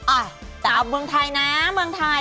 อ่ะตามเมืองไทยนะเมืองไทย